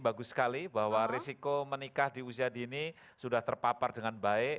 bagus sekali bahwa risiko menikah di usia dini sudah terpapar dengan baik